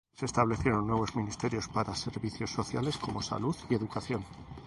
Se establecieron nuevos ministerios para servicios sociales como salud y educación.